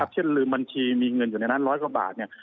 เช่นลืมบัญชีมีเงินอยู่ในนั้นร้อยกว่าบาท